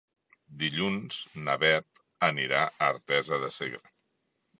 Dilluns na Beth anirà a Artesa de Segre.